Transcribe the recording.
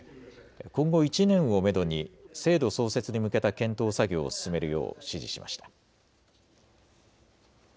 今後１年をめどに制度創設に向けた検討作業を進めるよう指示しました。